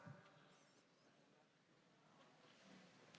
ต่อไกล๙๐๐กว่าคน